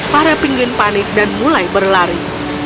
para pinggin panik dan mulai berlari